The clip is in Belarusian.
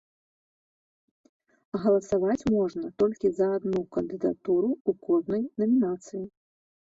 Галасаваць можна толькі за адну кандыдатуру ў кожнай намінацыі.